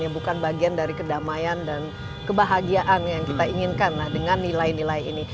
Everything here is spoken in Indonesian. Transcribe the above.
bukan bagian dari kedamaian dan kebahagiaan yang kita inginkan dengan nilai nilai ini